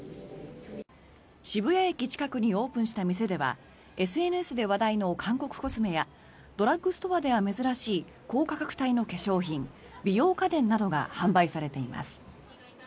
渋谷駅近くにオープンした店ではＳＮＳで話題の韓国コスメやドラッグストアでは珍しい高価格帯の化粧品美容家電などが販売されています。